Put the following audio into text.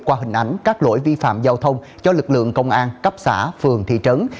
qua hình ảnh các lỗi vi phạm giao thông cho lực lượng công an cấp xã phường thị trấn